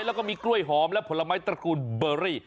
แล้วก็มีกล้วยหอมและผลไม้ตระกูลเบอรี่